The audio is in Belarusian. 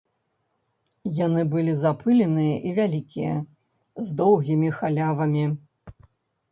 Яны былі запыленыя і вялікія, з доўгімі халявамі.